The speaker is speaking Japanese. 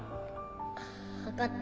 分かった